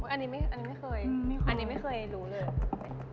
อันนี้ไม่เคยอันนี้ไม่เคยรู้เลย